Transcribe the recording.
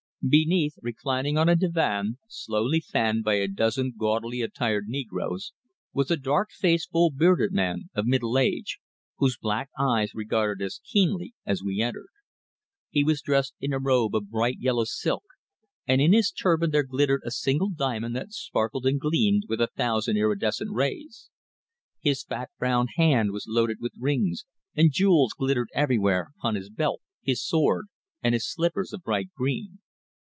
Beneath, reclining on a divan, slowly fanned by a dozen gaudily attired negroes, was a dark faced, full bearded man of middle age, whose black eyes regarded us keenly as we entered. He was dressed in a robe of bright yellow silk, and in his turban there glittered a single diamond that sparkled and gleamed with a thousand iridescent rays. His fat brown hand was loaded with rings, and jewels glittered everywhere upon his belt, his sword, and his slippers of bright green.